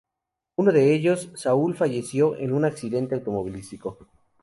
Uno de ellos, Saúl, falleció en un accidente automovilístico.